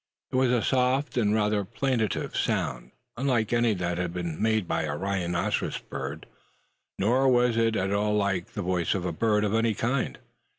It was a soft and rather plaintive sound unlike any that had been made by the rhinoceros bird; nor was it at all like the voice of a bird, of any kind.